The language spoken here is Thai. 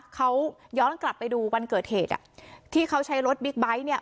เขาย้อนกลับไปดูวันเกิดเหตุอ่ะที่เขาใช้รถบิ๊กไบท์เนี่ย